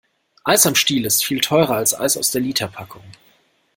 Eis am Stiel ist viel teurer als Eis aus der Literpackung.